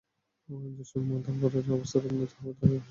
জসিম মাদবরের অবস্থার অবনতি হওয়ায় তাঁকে ঢাকা মেডিকেল কলেজে পাঠানো হয়।